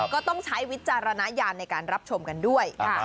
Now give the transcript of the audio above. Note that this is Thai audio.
ก็ต้องใช้วิจารณญาณในการรับชมกันด้วยนะคะ